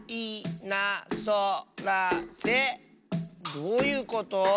どういうこと？